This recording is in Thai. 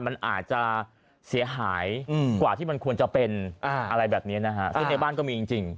มันอาจจะเสียหายกว่าที่มันควรจะเป็นอะไรแบบนี้นะฮะซึ่งในบ้านก็มีจริง